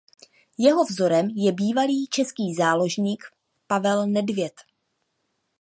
Jeho vzorem je bývalý český záložník Pavel Nedvěd.